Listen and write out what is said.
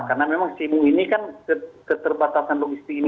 karena memang simu ini kan keterbatasan logistik ini